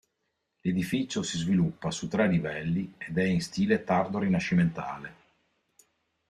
L'edificio si sviluppa su tre livelli ed è in stile tardo rinascimentale.